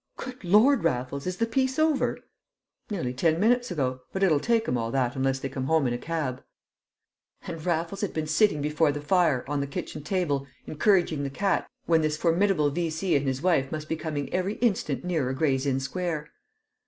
"Good Lord, Raffles, is the piece over?" "Nearly ten minutes ago, but it'll take 'em all that unless they come home in a cab." And Raffles had been sitting before the fire, on the kitchen table, encouraging the cat, when this formidable V.C. and his wife must be coming every instant nearer Gray's Inn Square!